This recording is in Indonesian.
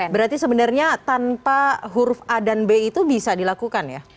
berarti sebenarnya tanpa huruf a dan b itu bisa dilakukan ya